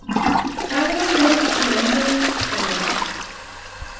Häzirem doly düşünýändirin öýdemok.